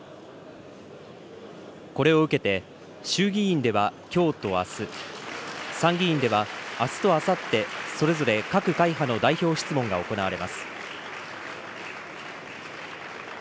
これを受けて、衆議院ではきょうとあす、参議院ではあすとあさって、それぞれ各会派の代表質問が行われます。